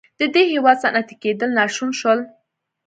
د دې هېواد صنعتي کېدل ناشون شول.